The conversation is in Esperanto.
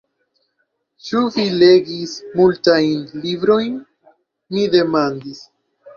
Ĉu vi legis multajn librojn? mi demandis.